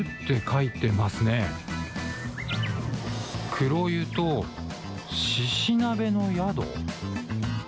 黒湯としし鍋の宿？